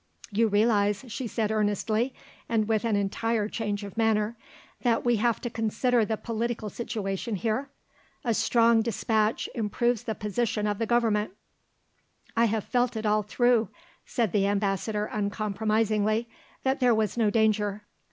"You realise," she said earnestly and with an entire change of manner, "that we have to consider the political situation here? A strong despatch improves the position of the Government." "I have felt all through," said the Ambassador uncompromisingly, "that there was no danger."